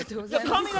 髪形